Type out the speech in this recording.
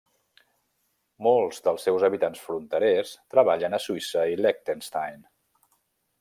Molts dels seus habitants fronterers treballen a Suïssa i Liechtenstein.